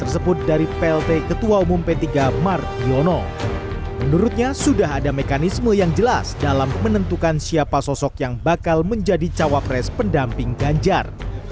semua yang jelas dalam menentukan siapa sosok yang bakal menjadi cawapres pendamping ganjar